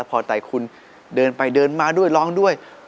พอใจคุณเดินไปเดินมาด้วยร้องด้วย